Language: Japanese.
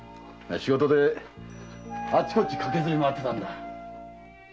仕事であっちこっち駆けずり回ってたんだ。